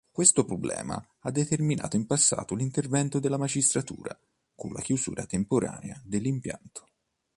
Questo problema ha determinato in passato l'intervento della magistratura con la chiusura temporanea dell'impianto.